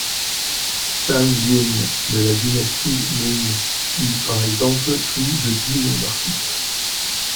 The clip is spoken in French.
Tang Yin, de la Dynastie Ming eut par exemple plus de dix noms d'artistes.